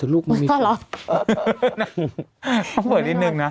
เหมือนนิดนึงนะ